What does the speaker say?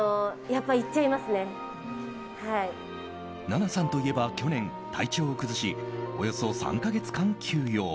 奈々さんといえば去年、体調を崩しおよそ３か月間休養。